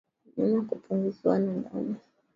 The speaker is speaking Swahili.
Mnyama kupungukiwa na damu